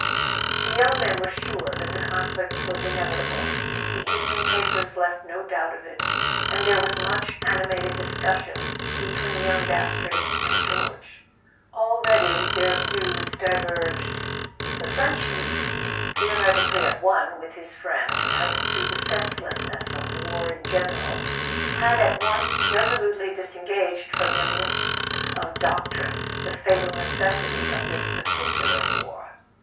The young men were sure that the conflict was in¬ evitable—the evening papers left no doubt of it—and there was much animated discussion between young Das trey and George. Already their views diverged; the French youth, theoretically at one with his friend as to the senseless¬ ness of war in general, had at once resolutely disen¬ gaged from the mist of doctrine the fatal necessity of this particular war.